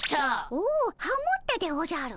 おおハモったでおじゃる。